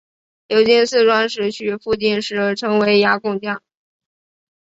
流经四川石渠附近时称为雅砻江。